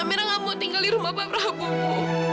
amira mau tinggal di rumah pak prabu bu